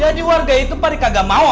jadi warga itu pari kagak mau